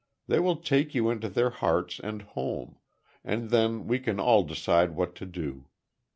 They will take you into their hearts and home—and then we can all decide what to do.